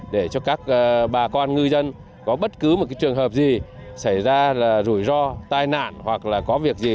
để cho các bà con ngư dân có bất cứ một trường hợp gì xảy ra là rủi ro tai nạn hoặc là có việc gì